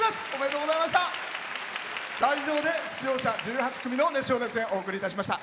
以上で出場者１８組の熱唱・熱演お送りいたしました。